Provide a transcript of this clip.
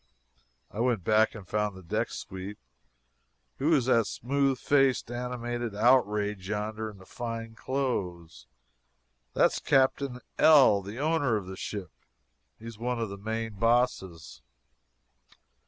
I went back and found the deck sweep. "Who is that smooth faced, animated outrage yonder in the fine clothes?" "That's Captain L, the owner of the ship he's one of the main bosses."